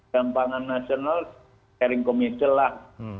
gampangan nasional sharing committee lah